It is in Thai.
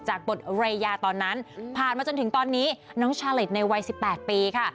บทเรยาตอนนั้นผ่านมาจนถึงตอนนี้น้องชาลิดในวัย๑๘ปีค่ะ